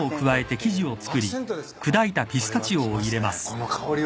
この香りは。